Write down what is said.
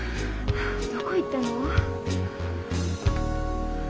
どこ行ったの？